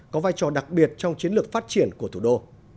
có vai trò đặc biệt trong chiến lược phát triển của thủ đô